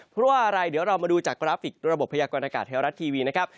เพราะว่าอะไรเดี๋ยวเรามาดูจากกราฟิกระบบพยากรณากาศไทยรัฐทีวีนะครับ